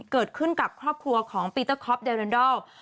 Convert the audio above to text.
เกิดขึ้นกับครอบครัวของปีเตอร์คอปเดเรนดอล